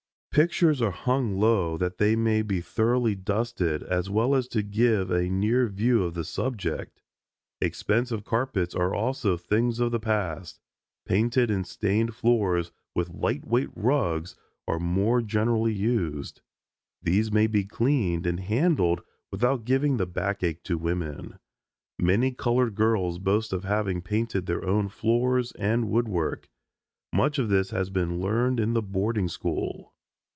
Pictures are hung low that they may be thoroughly dusted, as well as to give a near view of the subject. Expensive carpets are also things of the past. Painted and stained floors with light weight rugs are more generally used. These may be cleaned and handled without giving the backache to women. Many colored girls boast of having painted their own floors and woodwork. Much of this has been learned in the boarding school.